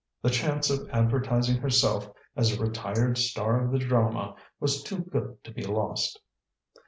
The chance of advertising herself as a retired star of the drama was too good to be lost.